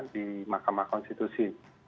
di mahkamah konstitusi